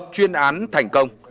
chuyên án thành công